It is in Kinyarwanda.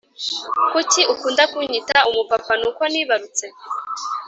Kuki ukunda kunyita umupapa nuko nibarutse